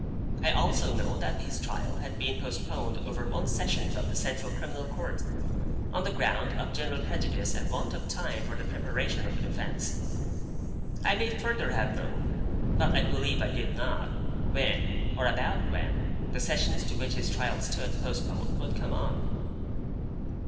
I also knew that his trial had been postponed over one Sessions of the Central Criminal Court, on the ground of general prejudice and want of time for the preparation of the defence. I may further have known, but I believe I did not, when, or about when, the Sessions to which his trial stood postponed would come on.